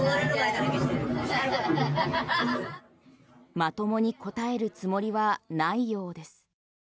まともに答えるつもりはないようです。